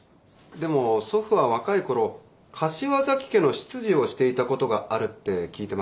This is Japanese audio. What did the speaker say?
でも祖父は若いころ柏崎家の執事をしていたことがあるって聞いてます。